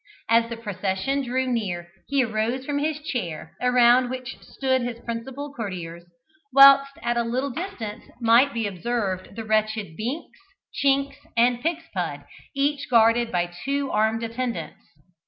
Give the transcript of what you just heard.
As the procession drew near he arose from his chair, around which stood his principal courtiers, whilst at a little distance might be observed the wretched Binks, Chinks, and Pigspud, each guarded by two armed attendants.